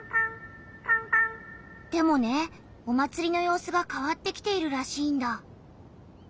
でもねお祭りの様子が変わってきているらしいんだ。